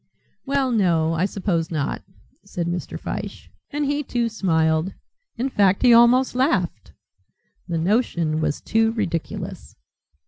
"Well, no, I suppose not," said Mr. Fyshe, and he too smiled in fact he almost laughed. The notion was too ridiculous.